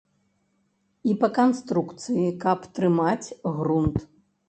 І па канструкцыі, каб трымаць грунт.